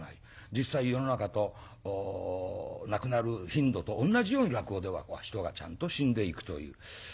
実際世の中と亡くなる頻度と同じように落語では人がちゃんと死んでいくという。